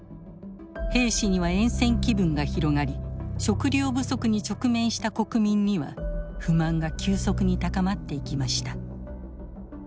兵士にはえん戦気分が広がり食糧不足に直面した国民には不満が急速に高まっていきました。